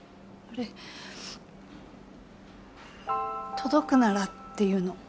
『届くなら』っていうの。